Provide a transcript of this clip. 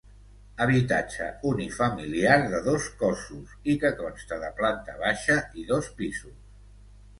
Habitatge unifamiliar de dos cossos i que consta de planta baixa i dos pisos.